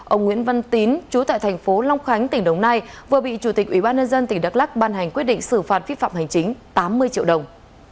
ông nguyễn văn tín chú tại thành phố long khánh tỉnh đồng nai vừa bị chủ tịch ủy ban nhân dân tỉnh đắk lắc ban hành quyết định xử phạt vi phạm hành chính tám mươi triệu đồng